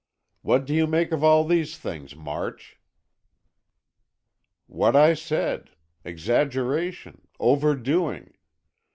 "What do you make of all these things, March?" "What I said. Exaggeration, overdoing.